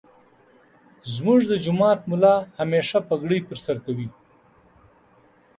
زمونږ دجماعت ملا همیشه پګړی پرسرکوی.